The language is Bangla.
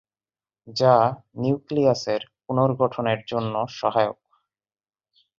যা নিউক্লিয়াসের পুনর্গঠনের জন্য সহায়ক।